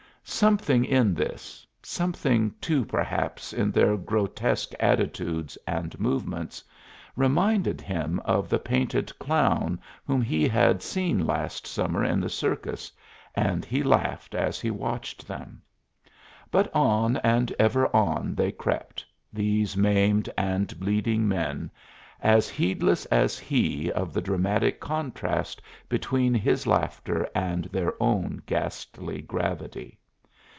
Something in this something too, perhaps, in their grotesque attitudes and movements reminded him of the painted clown whom he had seen last summer in the circus, and he laughed as he watched them. But on and ever on they crept, these maimed and bleeding men, as heedless as he of the dramatic contrast between his laughter and their own ghastly gravity.